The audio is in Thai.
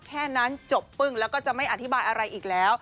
แค่นั้นจบปึ้งแล้วก็จะไม่อธิบายอะไรอีกแล้ว